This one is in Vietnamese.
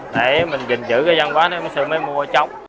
để mình giữ cái gian hóa đó xưa mới mua trống